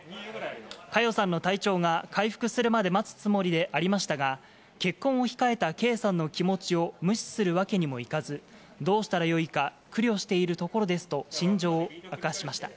佳代さんの体調が回復するまで待つつもりでありましたが、結婚を控えた圭さんの気持ちを無視するわけにもいかず、どうしたらよいか、苦慮しているところですと心情を明かしました。